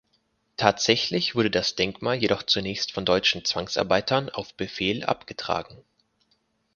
Tatsächlich wurde das Denkmal jedoch zunächst von deutschen Zwangsarbeitern auf Befehl abgetragen.